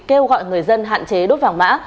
kêu gọi người dân hạn chế đốt vàng mã